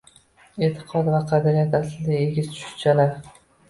E`tiqod va qadriyat aslida egiz tushunchalar